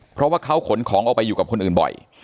เพราะว่าเขาขนของออกไปอยู่กับคนอื่นบ่อย